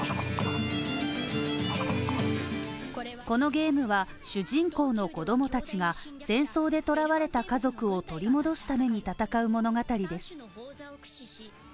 このゲームは主人公の子供たちが戦争で捕らわれた家族を取り戻すために戦う物語です。